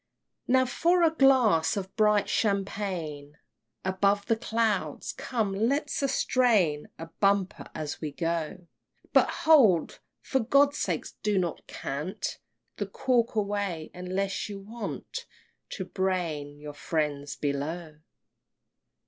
XI. Now for a glass of bright champagne Above the clouds! Come, let us drain A bumper as we go! But hold! for God's sake do not cant The cork away unless you want To brain your friends below.